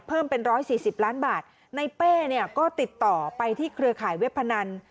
เพิ่มเป็น๑๔๐ล้านบาทในเป้เนี่ยก็ติดต่อไปที่เครือข่ายเว็บพนัน